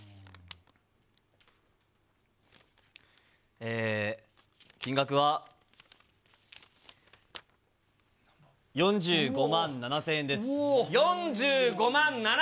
えー、金額は、４５万７０００円です。